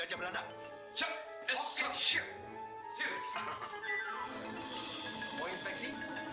tidak ada yang berhenti